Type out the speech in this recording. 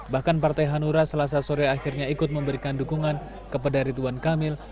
bahkan partai hanura selasa sore akhirnya ikut memberikan dukungan kepada ridwan kamil